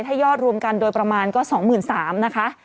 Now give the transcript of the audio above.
ถ้ายอดรวมกันโดยประมาณก็๒๓๐๐นะคะ